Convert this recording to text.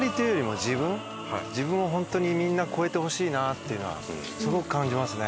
っていうのはすごく感じますね。